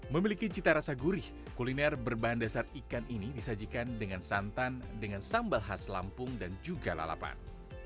memiliki cita rasa gurih kuliner berbahan dasar ikan ini disajikan dengan santan dengan sambal khas lampung dan juga lalapan